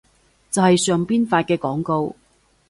就係上邊發嘅廣告